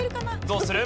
どうする？